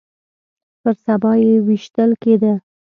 پر سبا يې ويشتل کېده.